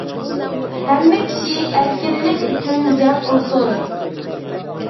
ھەممە كىشى ئەركىنلىك ئۈچۈن جەڭ قىلسۇن!